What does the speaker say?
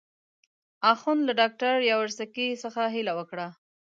اخند له ډاکټر یاورسکي څخه هیله وکړه.